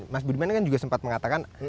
mas budiman kan juga sempat mengatakan